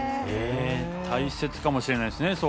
大切かもしれないですね。